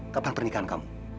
kapan pernikahan kamu